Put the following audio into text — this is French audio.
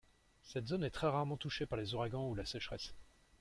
Cette zone est très rarement touchée par les ouragans ou la sécheresse.